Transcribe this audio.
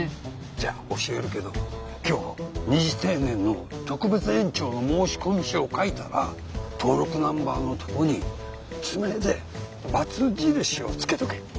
じゃあ教えるけど今日二次定年の特別延長の申し込み書を書いたら登録ナンバーのとこに爪でバツ印をつけとけ。